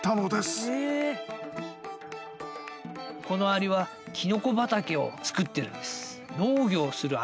このアリはキノコ畑を作ってるんです。